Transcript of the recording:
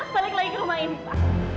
balik lagi ke rumah ini pak